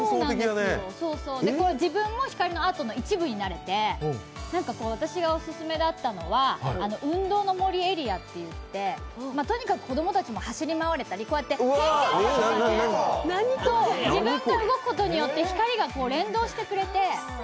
自分も光のアートの一部になれて私がオススメだったのは運動の森エリアって言って、とにかく子供たちも走り回れたり、けんけんぱで自分が動くことによって光が連動してくれて。